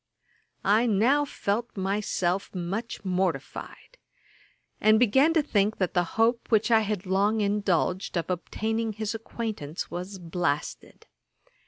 I now felt myself much mortified, and began to think that the hope which I had long indulged of obtaining his acquaintance was blasted.